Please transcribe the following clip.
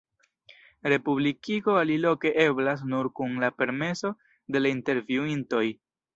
Republikigo aliloke eblas nur kun la permeso de la intervjuintoj.